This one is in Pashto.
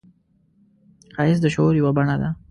ښایست د شعور یوه بڼه ده